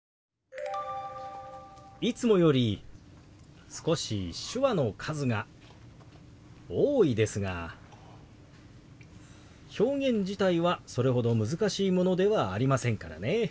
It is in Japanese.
いつもより少し手話の数が多いですが表現自体はそれほど難しいものではありませんからね。